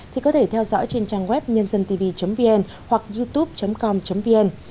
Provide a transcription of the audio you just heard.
thì có thể theo dõi trên trang web nhândântv vn hoặc youtube com vn